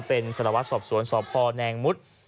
เป็นศาลวัฒน์สอบสวนสอบพแนงมุทร